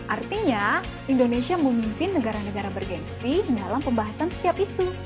artinya indonesia memimpin negara negara bergensi dalam pembahasan setiap isu